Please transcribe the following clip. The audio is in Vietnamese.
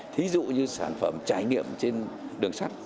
thí dụ như sản phẩm trải nghiệm trên đường sắt